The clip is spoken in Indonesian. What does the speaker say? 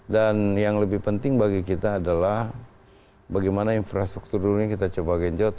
dan yang lebih penting bagi kita adalah bagaimana infrastruktur dunia kita coba genjot